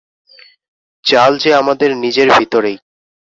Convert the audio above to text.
জাল যে আমাদের নিজের ভিতরেই।